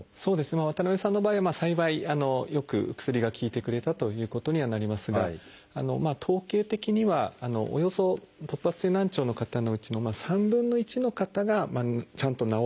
渡辺さんの場合は幸いよく薬が効いてくれたということにはなりますが統計的にはおよそ突発性難聴の方のうちの３分の１の方がちゃんと治ってくる。